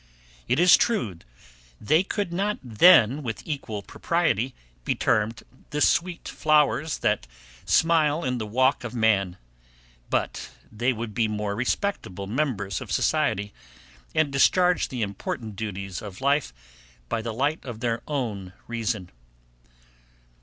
It is true, they could not then with equal propriety be termed the sweet flowers that smile in the walk of man; but they would be more respectable members of society, and discharge the important duties of life by the light of their own reason.